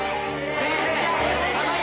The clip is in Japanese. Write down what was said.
先生！